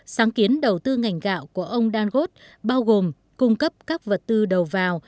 sáng kiến đầu tư ngành gạo của ông dagot bao gồm cung cấp các vật tư đầu vào